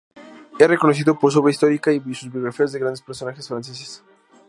Es reconocido por su obra histórica y sus biografías de grandes personajes franceses.